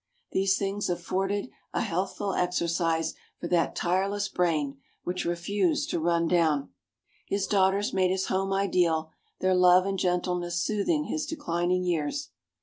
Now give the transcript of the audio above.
These things afforded a healthful exercise for that tireless brain which refused to run down. His daughters made his home ideal, their love and gentleness soothing his declining years.